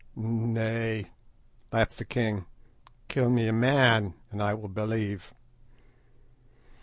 "Nay," laughed the king, "kill me a man and I will believe."